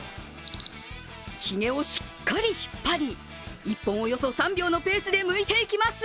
ひげをしっかり引っ張り、１本およそ３秒のペースでむいていきます。